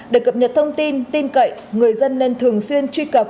để cập nhật thông tin tin cậy người dân nên thường xuyên truy cập